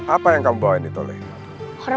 apa yang kamu bawa ini tolek